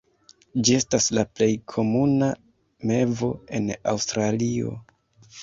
Ĝi estas la plej komuna mevo en Aŭstralio.